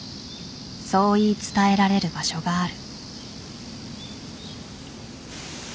そう言い伝えられる場所がある。